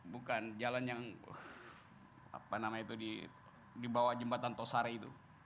bukan jalan yang apa namanya itu di bawah jembatan tosari itu